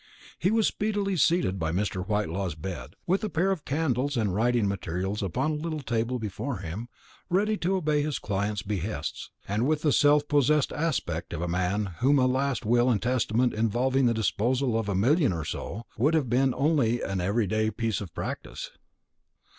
He was speedily seated by Mr. Whitelaw's bed, with a pair of candles and writing materials upon a little table before him, ready to obey his client's behests, and with the self possessed aspect of a man to whom a last will and testament involving the disposal of a million or so would have been only an every day piece of practice.